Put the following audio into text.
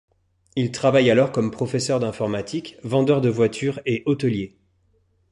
Il travaille alors comme professeur d'informatique, vendeur de voitures et hôtelier.